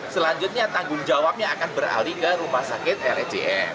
selanjutnya tanggung jawabnya akan beralih ke rumah sakit rsjm